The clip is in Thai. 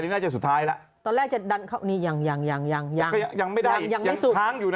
น่าจะสุดท้ายแล้วตอนแรกจะดันเข้านี่ยังยังยังยังไม่ได้ยังยังค้างอยู่นะ